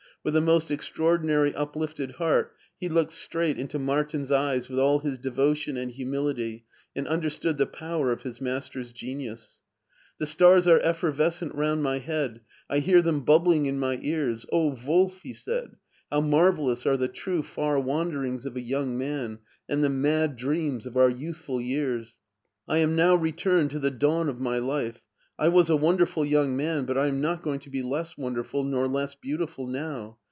With a most extraordinary uplifted heart he looked straight into Martin's eyes with all his devotion and Humility, and understood the power of his master's genius. " The stars are eflFervescent round my head : I Hear them bubbling in my ears. OH, Wolf !" he said, " HoW marvellous are the true far wanderings of a young man, iand tHe mad dreams of our youthful years. I am now returned to tHe dawn of my life. I was a wonderful young man, but I am not going to be less wonderful nor less beautiful now.